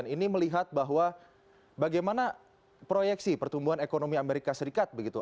ini melihat bahwa bagaimana proyeksi pertumbuhan ekonomi amerika serikat begitu